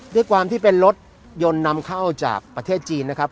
ด้วยความที่เป็นรถยนต์นำเข้าจากประเทศจีนนะครับ